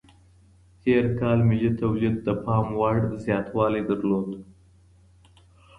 تير کال ملي توليد د پام وړ زياتوالی درلود.